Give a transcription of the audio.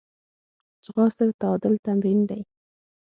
ځغاسته د تعادل تمرین دی